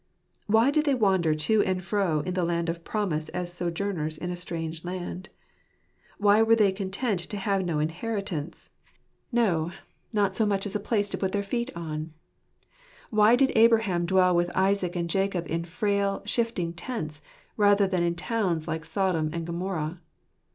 Why did they wander to and fro in the land of promise as sojourners in a strange land? Why were they content to have no inheritance — no, not so much as a place to put 144 Joseph at the letith geir alganb. their feet on? Why did Abraham dwell with Isaac and Jacob in frail, shifting tents, rather than in towns like Sodom and Gomorrah?